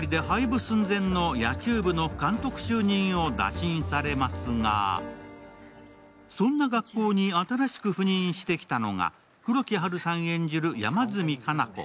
幽霊部員だけで廃部寸前の野球部の監督就任を打診されますが、そんな学校に新しく赴任してきたのが黒木華さん演じる山住香南子。